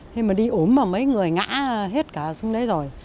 thế mà đi ủm mà mấy người ngã hết cả xuống đấy rồi